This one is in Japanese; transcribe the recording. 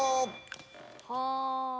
［はあ］